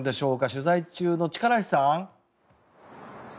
取材中の力石さん。